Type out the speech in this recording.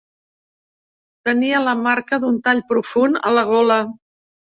Tenia la marca d'un tall profund a la gola.